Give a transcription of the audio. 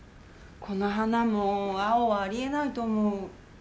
この花も青はありえないと思う。